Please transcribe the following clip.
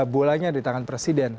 bolanya di tangan presiden